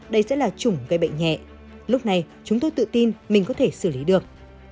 đây sẽ là chủng gây bệnh nhẹ lúc này chúng tôi tự tin mình có thể xử lý được